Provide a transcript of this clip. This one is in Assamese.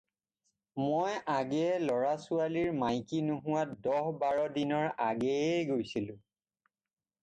মই আগেয়ে ল'ৰা-ছোৱালীৰ মাইকী নোহোৱাত দহ-বাৰ দিনৰ আগেয়েই গৈছিলোঁ।